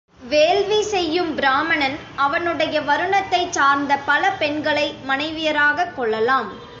வேள்வி செய்யும் பிராமணன் அவனுடைய வருணத்தைச் சார்ந்த பல பெண்களை மனைவியராகக் கொள்ளலாம்.